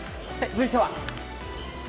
続いては。